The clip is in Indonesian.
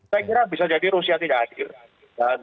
saya kira bisa jadi rusia tidak adil